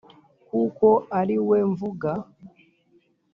kuko ari we mvuga,